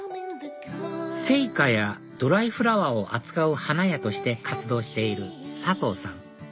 生花やドライフラワーを扱う花屋として活動している佐藤さん